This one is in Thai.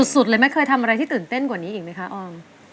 สุดเลยแม่เคยทำอะไรที่ตื่นเต้นกว่านี้อีกไหมคะออม